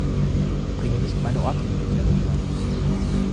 Bring nicht meine Ordnung durcheinander!